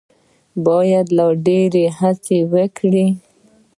باید لا ډېره هڅه وکړي.